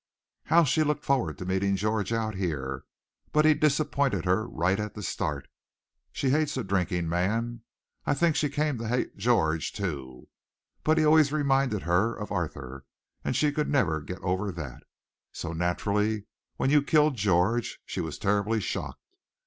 "How she looked forward to meeting George out here! But he disappointed her right at the start. She hates a drinking man. I think she came to hate George, too. But he always reminded her of Arthur, and she could never get over that. So, naturally, when you killed George she was terribly shocked.